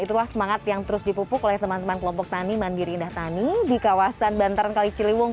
itulah semangat yang terus dipupuk oleh teman teman kelompok tani mandiri indah tani di kawasan bantaran kali ciliwung